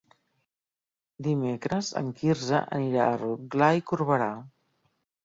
Dimecres en Quirze anirà a Rotglà i Corberà.